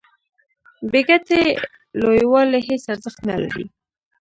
بې ګټې لویوالي هیڅ ارزښت نلري.